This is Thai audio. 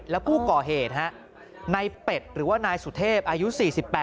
แล้วผู้ก่อเหตุนายเป็ดหรือว่านายสุเทพอายุ๔๘